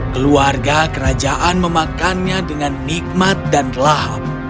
keluarga kerajaan memakannya dengan nikmat dan lahap